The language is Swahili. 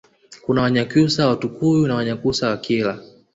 Kuna Wanyakyusa wa Tukuyu na Wanyakyusa wa Kyela